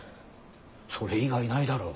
それ以外ないだろ。